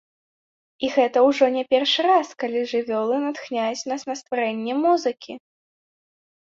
І гэта ўжо не першы раз, калі жывёлы натхняюць нас на стварэнне музыкі.